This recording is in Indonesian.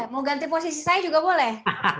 mau ganti posisi saya juga boleh